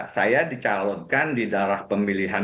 saya dicalonkan di daerah pemilihan